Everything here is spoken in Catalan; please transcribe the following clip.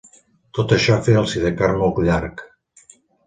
Tot això feia el sidecar molt llarg.